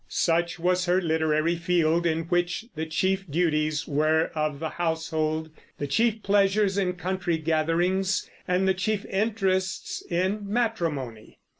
Such was her literary field, in which the chief duties were of the household, the chief pleasures in country gatherings, and the chief interests in matrimony.